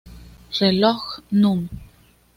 Reloj núm.